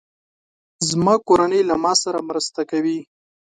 زما کورنۍ له ما سره مرسته کوي.